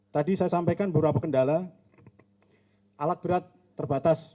tadi saya sampaikan beberapa kendala alat berat terbatas